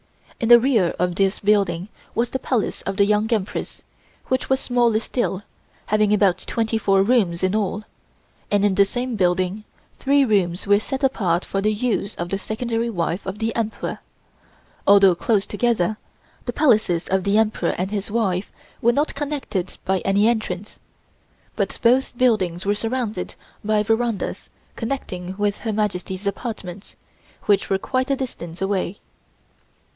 In the rear of this building was the Palace of the Young Empress, which was smaller still, having about twenty four rooms in all, and in the same building three rooms were set apart for the use of the Secondary wife of the Emperor. Although close together, the Palaces of the Emperor and his wife were not connected by any entrance, but both buildings were surrounded by verandas connecting with Her Majesty's apartments, which were quite a distance away.